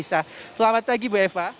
selamat pagi ibu eva